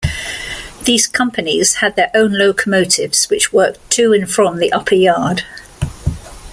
These companies had their own locomotives which worked to and from the upper yard.